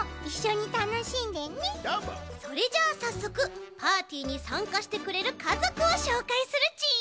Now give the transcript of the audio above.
それじゃあさっそくパーティーにさんかしてくれるかぞくをしょうかいするち！